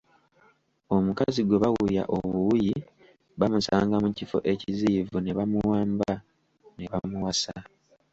Omukazi gwe bawuya obuwuyi bamusanga mu kifo ekiziyivu ne bamuwamba ne bamuwasa.